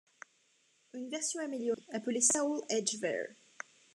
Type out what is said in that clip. Une version améliorée appelée Soul Edge Ver.